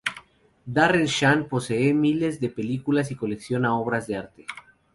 Darren Shan posee miles de películas y colecciona obras de arte.